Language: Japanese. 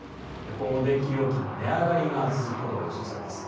今後、電気料金の値上がりが続くことが予想されます。